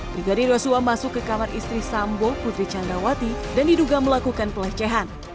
brigadir yosua masuk ke kamar istri sambo putri candrawati dan diduga melakukan pelecehan